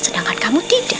sedangkan kamu tidak